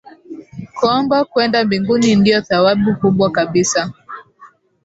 kwamba kwenda mbinguni ndio thawabu kubwa kabisa